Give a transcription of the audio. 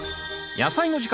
「やさいの時間」